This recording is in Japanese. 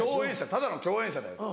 「ただの共演者だよ」。